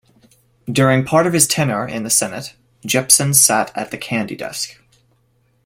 During part of his tenure in the Senate, Jepsen sat at the Candy desk.